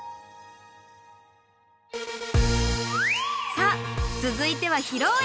さあ続いては披露宴！